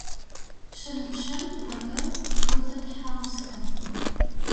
Шэнычъэм бэрэ уигъэтхьаусхэн.